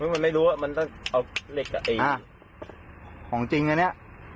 มันไม่รู้ว่ามันต้องเอาเหล็กของจริงอันนี้